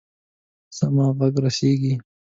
زما ږغ رسیږي.